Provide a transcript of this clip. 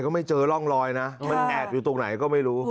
ไม่เจอร่องรอยนะมันแอบอยู่ตรงไหนก็ไม่รู้